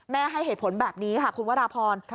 ให้เหตุผลแบบนี้ค่ะคุณวราพร